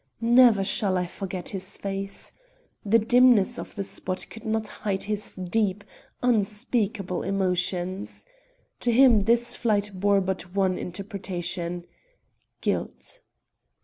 Never shall I forget his face. The dimness of the spot could not hide his deep, unspeakable emotions. To him this flight bore but one interpretation guilt.